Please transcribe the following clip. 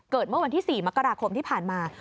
เมื่อวันที่๔มกราคมที่ผ่านมา